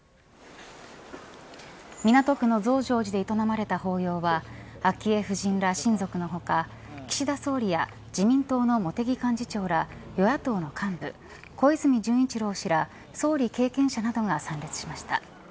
港区の増上寺で営まれた法要は昭恵夫人ら親族の他岸田総理や自民党の茂木幹事長ら与野党の幹部小泉純一郎氏ら総理経験者などが参列しました。